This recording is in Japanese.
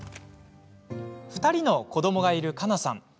２人の子どもがいる、かなさん。